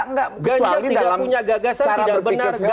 kecuali dalam cara berpikir feodal ya